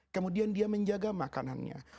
kemudian dia menjaga makanannya